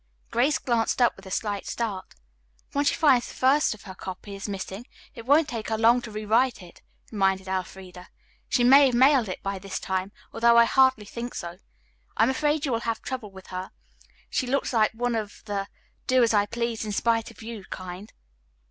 Grace glanced up with a slight start. "Once she finds the first of her copy missing it won't take her long to rewrite it," reminded Elfreda. "She may have mailed it by this time, although I hardly think so. I am afraid you will have trouble with her. She looks like one of the do as I please in spite of you kind.